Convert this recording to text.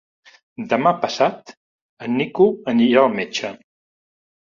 Demà passat en Nico irà al metge.